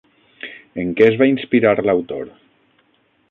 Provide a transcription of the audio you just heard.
En què es va inspirar l'autor?